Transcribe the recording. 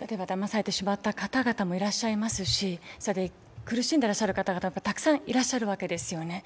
例えばだまされてしまった方々もいらっしゃいますし、苦しんでいらっしゃる方々もたくさんいらっしゃるわけですよね。